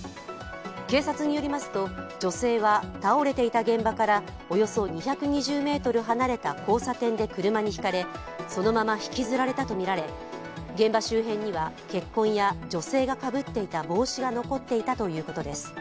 警察によりますと、女性は倒れていた現場からおよそ２２０ｍ離れた交差点で車にひかれそのまま引きずられたとみられ現場周辺には血痕や女性がかぶっていた帽子が残っていたということです。